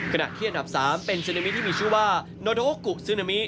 ขณะที่อันดับ๓เป็นซึนามิที่มีชื่อว่าแล้ว